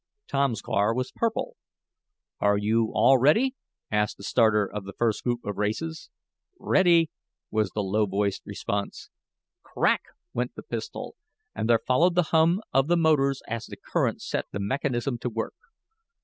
Tom's car was purple. "Are you all ready?" asked the starter of the first group of races. "Ready," was the low voiced response. "Crack!" went the pistol, and there followed the hum of the motors as the current set the mechanism to work.